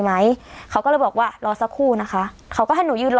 ไหมเขาก็เลยบอกว่ารอสักครู่นะคะเขาก็ให้หนูยืนรอ